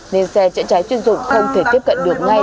nên xe chữa cháy chuyên dụng không thể tiếp cận được ngay